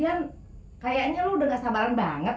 lagi kayaknya udah gak sabar banget